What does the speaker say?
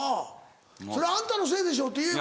「それあんたのせいでしょ」って言えば。